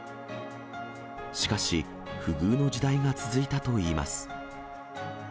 しかし、不遇の時代が続いたといいます。